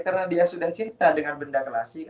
karena dia sudah cinta dengan benda klasik